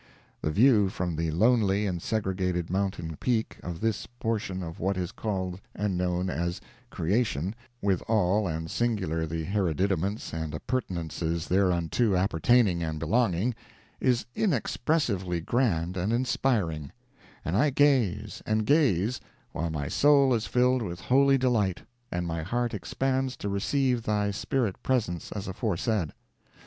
The view from the lonely and segregated mountain peak, of this portion of what is called and known as Creation, with all and singular the hereditaments and appurtenances thereunto appertaining and belonging, is inexpressively grand and inspiring; and I gaze, and gaze, while my soul is filled with holy delight, and my heart expands to receive thy spirit presence, as aforesaid.